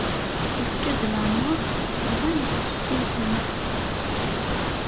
Ifka-d lameṛ, dɣa yessefsi-ten.